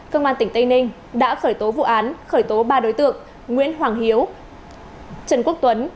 công an tỉnh tây ninh đã khởi tố vụ án khởi tố ba đối tượng nguyễn hoàng hiếu trần quốc tuấn